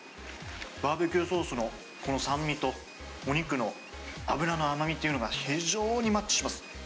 バーベキューソースのこの酸味と、お肉の脂の甘みっていうのが非常にマッチします。